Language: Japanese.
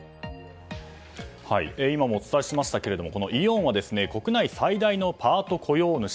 今もお伝えしましたがイオンは国内最大のパート雇用主。